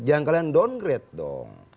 jangan kalian downgrade dong